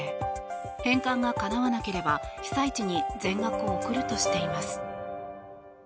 返還がかなわなければ被災地に全額送るとしています。